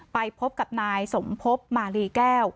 ไปพบกับนายสมพบมาลีแก้ว